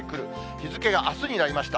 日付があすになりました。